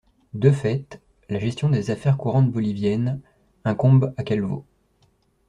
De fait, la gestion des affaires courantes boliviennes incombent à Calvo.